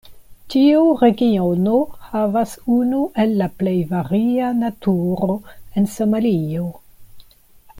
Tiu regiono havas unu el la plej varia naturo en Somalio.